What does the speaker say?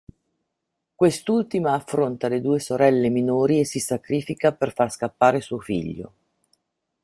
Quest'ultima affronta le due sorelle minori e si sacrifica per far scappare suo figlio.